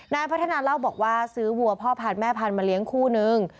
นายพัฒนาเล่าบอกว่าซื้อวัวพ่อพันธุ์แม่พันธุ์มาเลี้ยงคู่นึง